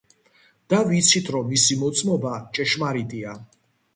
და ვიცით, რომ მისი მოწმობა ჭეშმარიტია.